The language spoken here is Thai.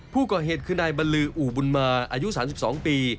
ผู้ก่อเหตุคือนายบรรลืออู่บุญมาอายุ๓๒ปี